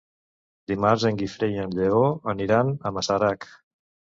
Dimarts en Guifré i en Lleó aniran a Masarac.